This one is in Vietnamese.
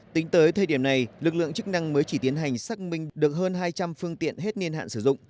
tính tới thời điểm này lực lượng chức năng mới chỉ tiến hành xác minh được hơn hai trăm linh phương tiện hết niên hạn sử dụng